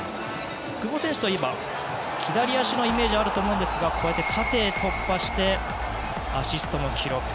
久保選手といえば左足のイメージがあると思うんですがこうやって縦へ突破してアシストの記録。